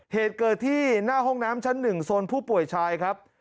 เหตุเกิดที่หน้าห้องน้ำชั้น๑โซนผู้ป่วยชายครับ